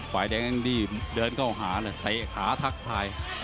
ฝน้ำเงินเดินเข้าหาถ่ายขาทักภาย